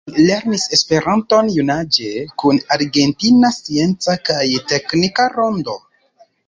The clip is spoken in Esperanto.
Li lernis esperanton junaĝe kun Argentina Scienca kaj Teknika Rondo.